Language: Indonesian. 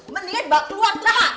mendingan dibawa keluar